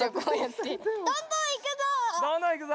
どんどんいくぞ！